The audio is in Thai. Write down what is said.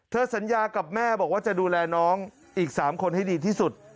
สัญญากับแม่บอกว่าจะดูแลน้องอีก๓คนให้ดีที่สุด